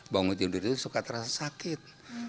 bangun tidur itu suka terasa sakit